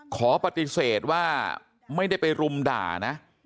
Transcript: ขอปฏิเสธว่าไม่ได้ไปรุมด่านะ